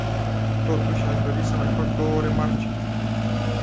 Totuși, aș dori să mai fac două remarce.